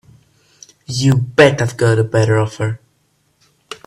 You bet I've got a better offer.